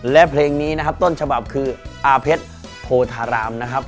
และเพลงนี้นะครับต้นฉบับคืออาเพชรโพธารามนะครับ